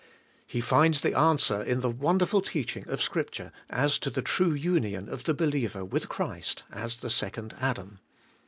He finds the answer in the wonderful teaching of Scripture as to the true union of the believer with Christ as the second Adam.